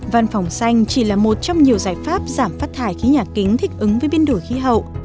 văn phòng xanh chỉ là một trong nhiều giải pháp giảm phát thải khí nhà kính thích ứng với biến đổi khí hậu